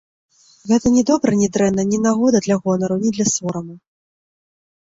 Гэта ні добра, ні дрэнна, ні нагода для гонару, ні для сораму.